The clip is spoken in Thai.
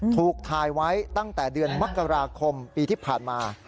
ถูกถ่ายไว้ตั้งแต่เดือนมกราคมปีที่ผ่านมา